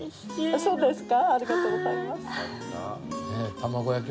そうですか！